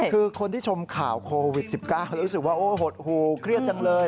คือคนที่ชมข่าวโควิด๑๙รู้สึกว่าโอ้หดหูเครียดจังเลย